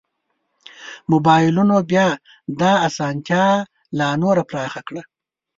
مبایلونو بیا دا اسانتیا لا نوره پراخه کړه.